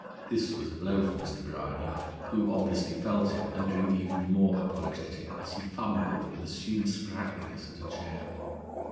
This was a blow for Mr. Bryany, who obviously felt it, and grew even more apologetic as he fumbled with assumed sprightliness at a chair.